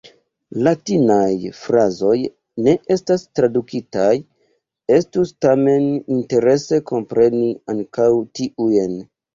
Latinaj frazoj ne estas tradukitaj; estus tamen interese kompreni ankaŭ tiujn.